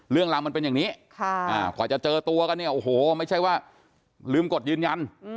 เรื่องราวมันเป็นอย่างนี้กว่าจะเจอตัวกันเนี่ยโอ้โหไม่ใช่ว่าลืมกดยืนยัน